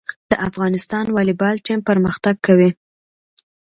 د افغانستان والیبال ټیم پرمختګ کوي